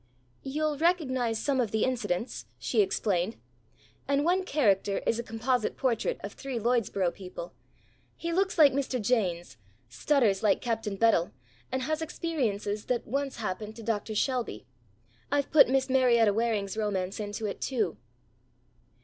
"You'll recognize some of the incidents," she explained, "and one character is a composite portrait of three Lloydsboro people. He looks like Mr. Jaynes, stutters like Captain Bedel and has experiences that once happened to Doctor Shelby. I've put Miss Marietta Waring's romance into it too."